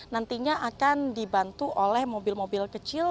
nantinya akan dibantu oleh mobil mobil kecil